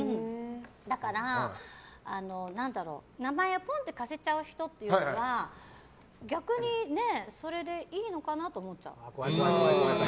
だから、名前をポンと貸せちゃう人っていうのは逆に、それでいいのかなと思っちゃう。